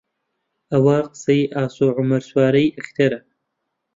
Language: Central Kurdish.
ئەوە قسەی ئاسۆ عومەر سوارەی ئەکتەرە